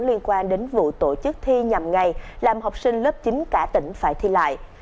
liên quan đến vụ tổ chức thi nhằm ngày làm học sinh lớp chín cả tỉnh phải thi lại